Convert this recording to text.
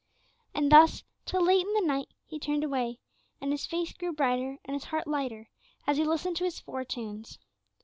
And thus, till late in the night, he turned away, and his face grew brighter, and his heart lighter, as he listened to his four tunes.